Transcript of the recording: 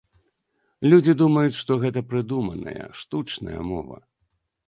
Людзі думаюць, што гэта прыдуманая, штучная мова.